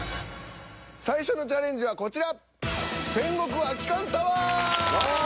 最初のチャレンジはこちら。